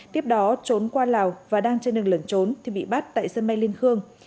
tiếp đó trốn qua lào và đang trên đường lẩn trốn thì bị bắt tại sân bay liên khương